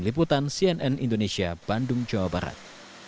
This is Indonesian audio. liputan cnn indonesia bandung jawa barat